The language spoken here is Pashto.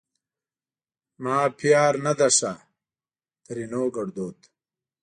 ما پیار نه ده ښه؛ ترينو ګړدود